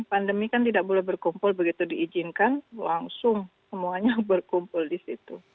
pandemi kan tidak boleh berkumpul begitu diizinkan langsung semuanya berkumpul di situ